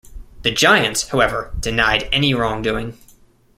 The Giants, however, denied any wrongdoing.